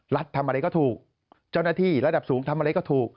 ทำอะไรก็ถูกเจ้าหน้าที่ระดับสูงทำอะไรก็ถูก